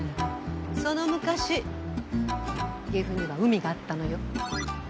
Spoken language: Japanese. その昔岐阜には海があったのよ。